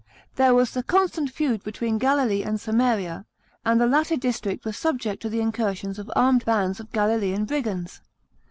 There was a constant feud between Galilee and Samaria, and the latter district was subject to the incursions of armed bands of Galilean brigands.